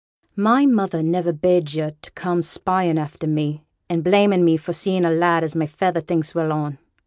'My mother niver bade yo' to come spying after me, and blaming me for seeing a lad as my feyther thinks well on.